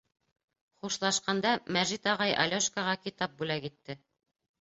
Хушлашҡанда Мәжит ағай Алёшкаға китап бүләк итте.